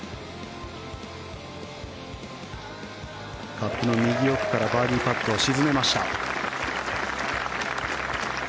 カップの右奥からバーディーパットを沈めました。